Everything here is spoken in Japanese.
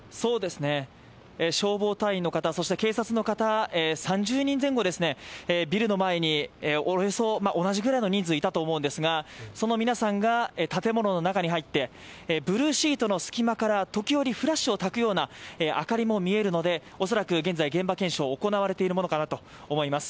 消防隊員の方、警察の方、３０人前後、ビルの前に同じくらいの人数がいたと思うんですがその皆さんが建物の中に入って、ブルーシートの隙間から時折、フラッシュをたくような明かりも見えるので恐らく現在、現場検証が行われているものと思われます。